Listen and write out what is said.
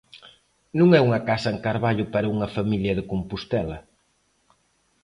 Non é unha casa en Carballo para unha familia de Compostela.